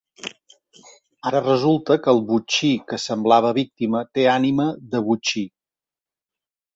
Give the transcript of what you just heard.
Ara resulta que el botxí que semblava víctima té ànima de botxí.